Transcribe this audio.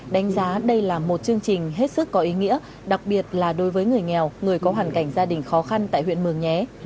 đánh giá đây là một chương trình hết sức có ý nghĩa đặc biệt là đối với người nghèo người có hoàn cảnh gia đình khó khăn tại huyện mường nhé